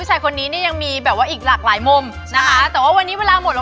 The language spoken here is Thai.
วันนี้ได้คุยเรื่องธุรกิจ